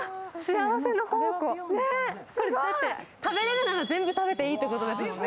食べれるなら全部食べていいってことですもんね。